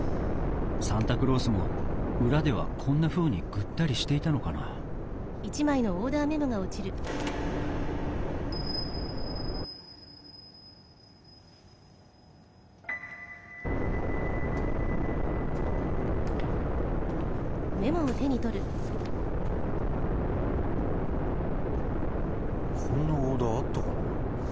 サンタクロースも裏ではこんなふうにぐったりしていたのかなこんなオーダーあったかな。